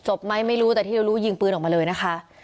ไหมไม่รู้แต่ที่เรารู้ยิงปืนออกมาเลยนะคะ